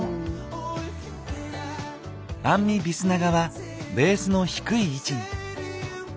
アンミ・ビスナガはベースの低い位置に。